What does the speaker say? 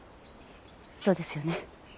そうですよね？